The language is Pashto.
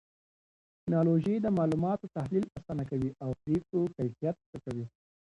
ټکنالوژي د معلوماتو تحليل آسانه کوي او پرېکړو کيفيت ښه کوي.